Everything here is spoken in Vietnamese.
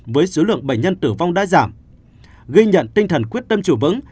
với số lượng bệnh nhân tử vong đã giảm ghi nhận tinh thần quyết tâm chủ vững